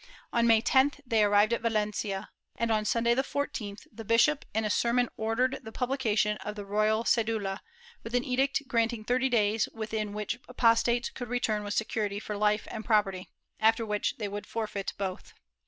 On May 10th they arrived at Valencia and, on Sunday the 14th, the bishop in a sermon ordered the publication of the royal cedula, with an edict granting thirty days within which apostates could return with security for life and property, after which they would forfeit both.